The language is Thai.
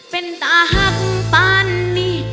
เป็นตาหักปานนี่